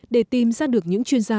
để tìm ra được những chuyên gia